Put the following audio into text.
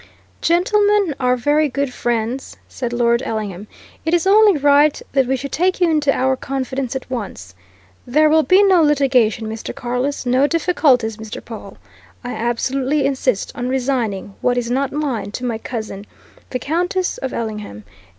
"Gentlemen our very good friends," said Lord Ellingham, "it is only right that we should take you into our confidence at once. There will be no litigation, Mr. Carless no difficulties, Mr. Pawle. I absolutely insist on resigning what is not mine to my cousin, the Countess of Ellingham.